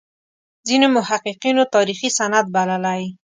ځینو محققینو تاریخي سند بللی.